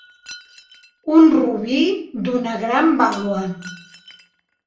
Un robí d'una gran vàlua.